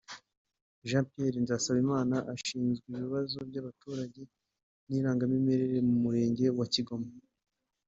Jean Pierre Nzasabimana ashinzwe ibibazo by’abaturage n’irangamimerere mu murenge wa Kigoma